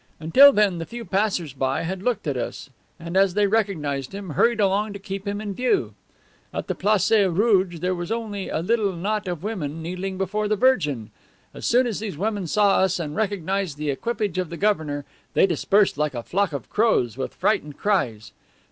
Until then the few passers by had looked at us, and as they recognized him, hurried along to keep him in view. At the Place Rouge there was only a little knot of women kneeling before the Virgin. As soon as these women saw us and recognized the equipage of the Governor, they dispersed like a flock of crows, with frightened cries.